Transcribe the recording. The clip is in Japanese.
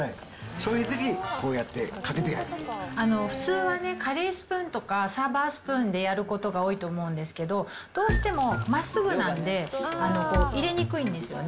そういうときに、こうやってかけ普通は、カレースプーンとかサーバースプーンでやることが多いと思うんですけど、どうしてもまっすぐなんで、入れにくいんですよね。